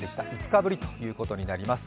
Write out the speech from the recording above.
５日ぶりということになります。